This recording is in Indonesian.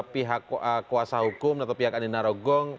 pihak kuasa hukum atau pihak andi narogong